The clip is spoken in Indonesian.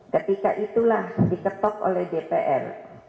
ketika itulah diketok oleh dpr